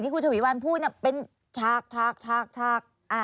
คุณฉวีวันพูดเป็นฉาก